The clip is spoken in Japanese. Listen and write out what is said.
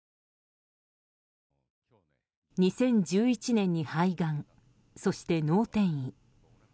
２０１１年に肺がんそして、脳転移。